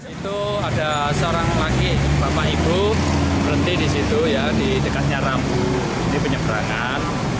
itu ada seorang laki bapak ibu berhenti di situ ya di dekatnya rambu di penyeberangan